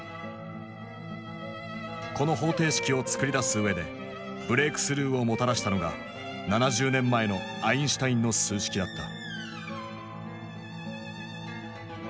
この方程式を作り出す上でブレークスルーをもたらしたのが７０年前のアインシュタインの数式だった。